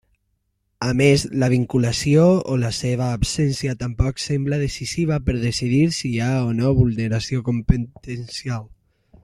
A més, la vinculació o la seva absència tampoc sembla decisiva per decidir si hi ha o no vulneració competencial.